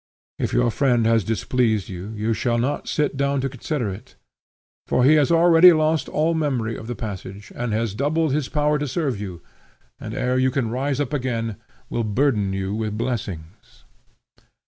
If your friend has displeased you, you shall not sit down to consider it, for he has already lost all memory of the passage, and has doubled his power to serve you, and ere you can rise up again will burden you with blessings.